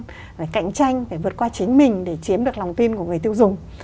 phải cạnh tranh phải vượt qua chính mình để chiếm được lòng tin của người tiêu dùng